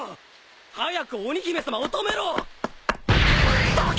早く鬼姫様を止めろ！どけ！